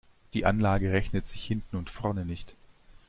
Die Anlage rechnet sich hinten und vorne nicht.